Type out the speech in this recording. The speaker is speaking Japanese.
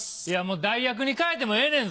代役に代えてもええねんぞ？